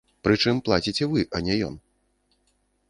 Прычым плаціце вы, а не ён.